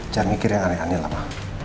jangan mikir yang aneh aneh lah ma